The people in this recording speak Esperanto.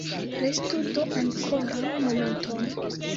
Restu do ankoraŭ momenton!